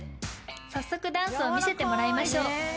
早速ダンスを見せてもらいましょう。